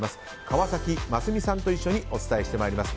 川崎真澄さんと一緒にお伝えして参ります。